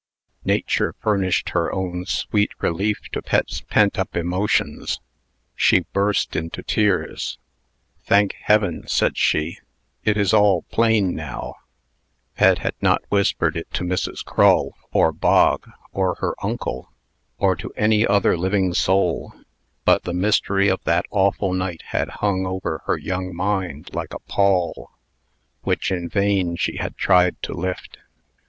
Nature furnished her own sweet relief to Pet's pent up emotions. She burst into tears. "Thank Heaven," said she, "it is all plain now!" Pet had not whispered it to Mrs. Crull, or Bog, or her uncle, or to any other living soul, but the mystery of that awful night had hung over her young mind like a pall, which in vain she had tried to lift.